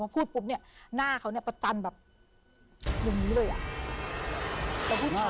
พูดปุ๊บเนี่ยหน้าเขาเนี่ยประจันแบบอย่างนี้เลยอ่ะ